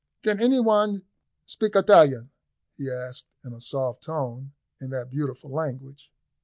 "Can any one speak Italian?" he asked, in a soft tone, in that beautiful language.